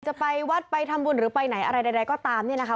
จะไปวัดไปทำบุญหรือไปไหนอะไรใดก็ตามเนี่ยนะคะ